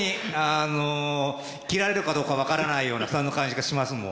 あの斬られるかどうか分からないようなそんな感じがしますもん。